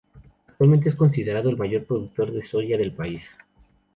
Actualmente es considerado el mayor productor de soja del país.